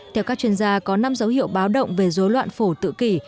theo các chuyên gia có năm dấu hiệu báo động về dối loạn phổ tự kỷ